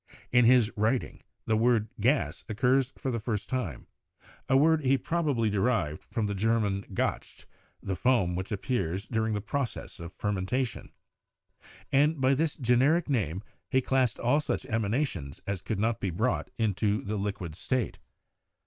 In his writings the word "gas" occurs for the first time, a word he probably derived from the German "gascht," the foam which appears during the process of fermentation ; and by this generic name he classed all such emanations as could not be brought into the liquid state.